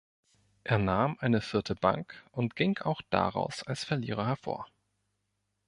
Er nahm eine vierte Bank und ging auch daraus als Verlierer hervor.